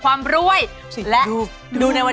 ไอล์โหลดแล้วคุณหลานโหลดหรือยัง